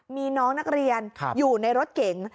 มีน้องนักเรียนอยู่ในรถเก๋ง